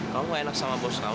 kamu gak enak sama bos kamu